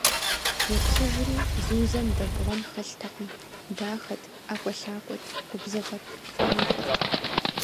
Еплъыжри - Зузэм дэбгъуэн хэлътэкъым: дахэт, ӏэкӏуэлъакӏуэт, губзыгъэт, фӏэрафӏэт!